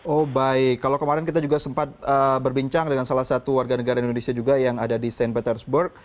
oh baik kalau kemarin kita juga sempat berbincang dengan salah satu warga negara indonesia juga yang ada di st petersburg